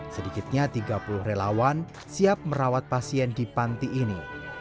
sedikitnya tiga puluh relawan siap merawat pasien di panti ini